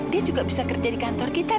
dia juga bisa kerja di kantor kita